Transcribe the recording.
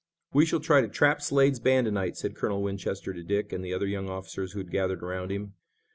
"We shall try to trap Slade's band to night," said Colonel Winchester to Dick and the other young officers who gathered around him.